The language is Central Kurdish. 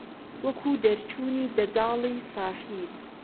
وەکوو دەرچوونی دەجاڵی ساحیر